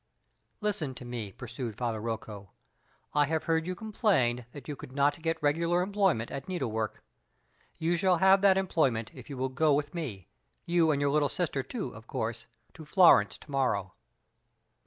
"Listen to me," pursued Father Rocco; "I have heard you complain that you could not get regular employment at needle work. You shall have that employment, if you will go with me you and your little sister too, of course to Florence to morrow."